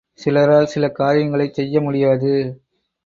சிலரால் சில காரியங்களைச் செய்ய முடியாது.